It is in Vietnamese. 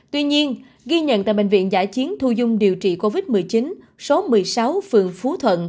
tuy nhiên ghi nhận tại bệnh viện giả chiến thu dung điều trị covid một mươi chín số một mươi sáu phường phú thuận